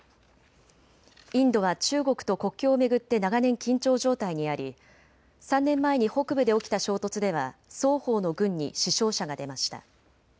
インドは中国と国境を巡って長年、緊張状態にあり３年前に北部で起きた衝突では双方の軍に死傷者が出ました。